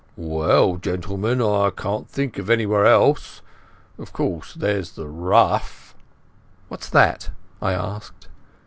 "Well, gentlemen, I can't think of anywhere else. Of course, there's the Ruff—" "What's that?" I asked.